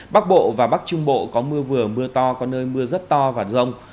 bắc bộ và bắc trung bộ có mưa vừa mưa to có nơi mưa rất to và rông